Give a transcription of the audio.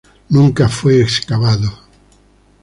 Nunca fue excavado.